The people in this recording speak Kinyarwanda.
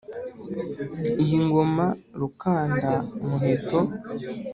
iyi ngoma rukanda-muheto.